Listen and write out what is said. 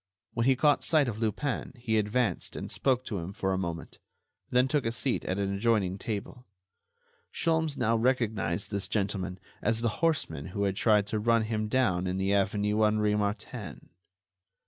When he caught sight of Lupin he advanced and spoke to him for a moment, then took a seat at an adjoining table. Sholmes now recognized this gentleman as the horseman who had tried to run him down in the avenue Henri Martin.